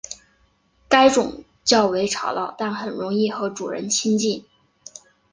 该种较为吵闹但很容易和主人亲近。